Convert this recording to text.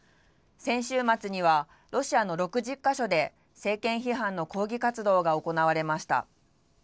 先週末には、ロシアの６０か所で、政権批判の抗議活動が行われました。